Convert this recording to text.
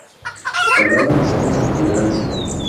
Se hablaba de zonas de tolerancia.